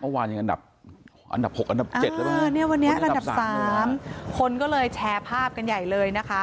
เมื่อวานยังอันดับ๖อันดับ๗หรือเปล่าเนี่ยวันนี้อันดับ๓คนก็เลยแชร์ภาพกันใหญ่เลยนะคะ